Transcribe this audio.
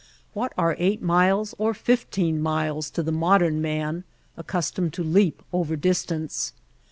What are eight miles or fifteen miles to the modern man accustomed to leap over distance?